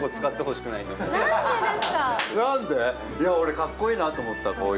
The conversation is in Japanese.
かっこいいなと思った。